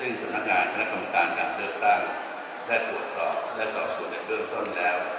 ซึ่งสำนักงานคณะกรรมการการเลือกตั้งได้ตรวจสอบและสอบส่วนในเบื้องต้นแล้ว